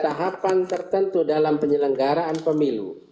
tahapan tertentu dalam penyelenggaraan pemilu